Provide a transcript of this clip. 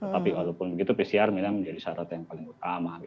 tapi walaupun begitu pcr memang menjadi syarat yang paling utama